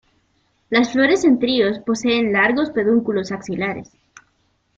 Las flores en tríos, poseen largos pedúnculos axilares.